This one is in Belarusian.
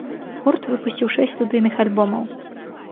Гурт выпусціў шэсць студыйных альбомаў.